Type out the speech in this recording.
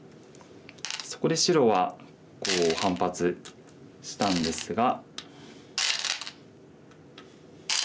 そこで白は反発したんですが。